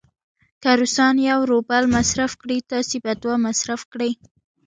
که روسان یو روبل مصرف کړي، تاسې به دوه مصرف کړئ.